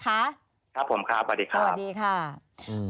ครับผมครับสวัสดีครับสวัสดีค่ะสวัสดีค่ะ